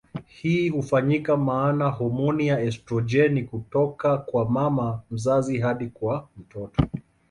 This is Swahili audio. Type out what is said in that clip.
Hii hufanyika maana homoni ya estrojeni hutoka kwa mama mzazi hadi kwa mtoto.